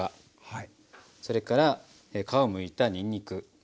それから皮をむいたにんにく。